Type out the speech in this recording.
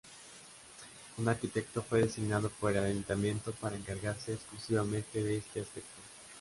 Un arquitecto fue designado por el ayuntamiento para encargarse exclusivamente de este aspecto.